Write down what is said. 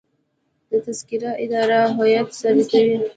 د تذکرو اداره هویت ثبتوي